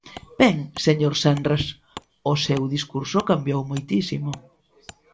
Ben, señor Senras, o seu discurso cambiou moitísimo.